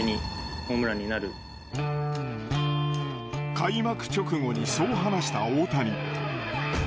開幕直後にそう話した大谷。